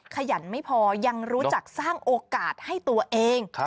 ขยันไม่พอยังรู้จักสร้างโอกาสให้ตัวเอง